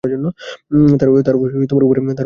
তার উপরের কর্মকর্তাকে।